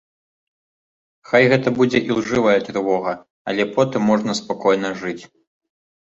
Хай гэта будзе ілжывая трывога, але потым можна спакойна жыць.